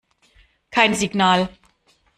Kein Signal.